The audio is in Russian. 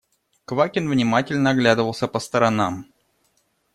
Квакин внимательно оглядывался по сторонам.